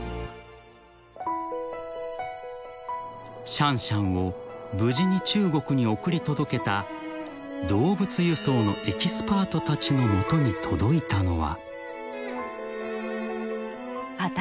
［シャンシャンを無事に中国に送り届けた動物輸送のエキスパートたちの元に届いたのは］